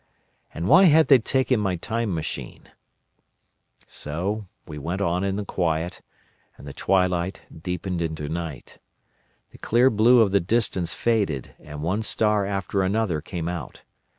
And why had they taken my Time Machine? "So we went on in the quiet, and the twilight deepened into night. The clear blue of the distance faded, and one star after another came out.